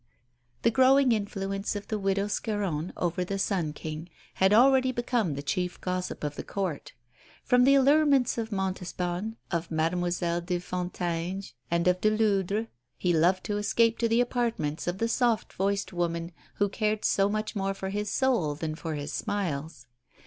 The growing influence of the widow Scarron over the "Sun King" had already become the chief gossip of the Court. From the allurements of Montespan, of Mademoiselle de Fontanges, and of de Ludre he loved to escape to the apartments of the soft voiced woman who cared so much more for his soul than for his smiles.